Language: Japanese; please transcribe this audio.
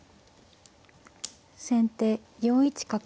先手４一角。